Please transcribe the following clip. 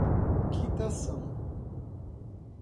quitação